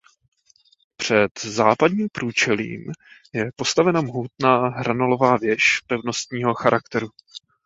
Před západním průčelí je postavena mohutná hranolová věž pevnostního charakteru.